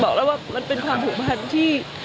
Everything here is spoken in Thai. บอกแล้วว่ามันเป็นความผูกพันที่